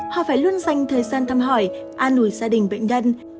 họ phải luôn dành thời gian thăm hỏi an ủi gia đình bệnh nhân